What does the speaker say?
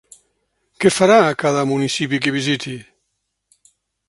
Què farà a cada municipi que visiti?